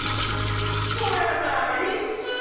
そりゃないっすー！